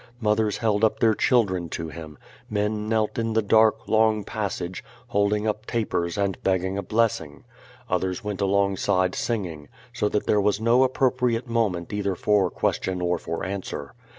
Mothers held up their children to QUO VADI8. 347 him. Men knelt in the dark, long passage, holding up tapers and begging a blessing. Others went alongside singing, so that there was no appropriate moment either for question or for answer.